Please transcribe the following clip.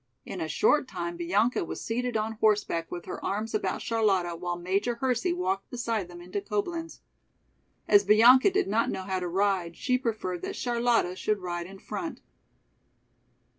In a short time Bianca was seated on horseback with her arms about Charlotta while Major Hersey walked beside them into Coblenz. As Bianca did not know how to ride, she preferred that Charlotta should ride in front.